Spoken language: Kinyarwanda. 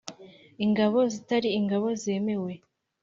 ingabo zitari ingabo zemewe